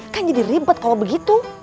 kan jadi ribet kalau begitu